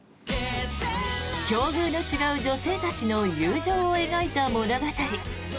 境遇の違う女性たちの友情を描いた物語。